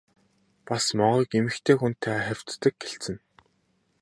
Бас могойг эмэгтэй хүнтэй хавьтдаг гэлцэнэ.